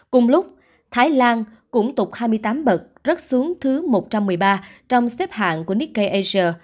cùng lúc thái lan cũng tục hai mươi tám bậc rớt xuống thứ một trăm một mươi ba trong xếp hạng của nikkei asia